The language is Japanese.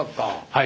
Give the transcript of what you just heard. はい。